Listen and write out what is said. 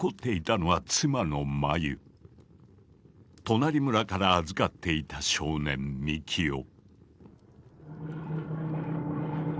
隣村から預かっていた少年幹雄。